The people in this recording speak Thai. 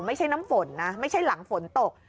ไม่ใช่น้ำฝนนะไม่ใช่หลังฝนตก